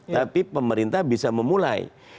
tapi pemerintah bisa memulai